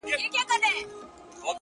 زه د بل له ښاره روانـېـږمـه،